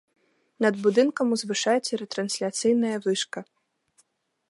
Над будынкам узвышаецца рэтрансляцыйная вышка.